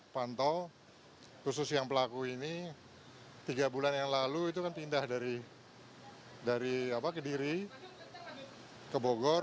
pantau khusus yang pelaku ini tiga bulan yang lalu itu kan pindah dari kediri ke bogor